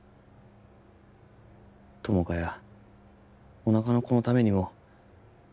友果やおなかの子のためにも